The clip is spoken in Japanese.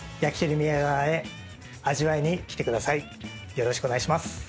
よろしくお願いします。